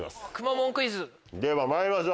ではまいりましょう！